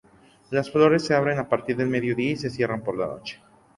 Las flores se abren a partir del mediodía y se cierran por la noche.